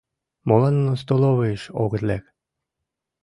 Молан нуно столовыйыш огыт лек?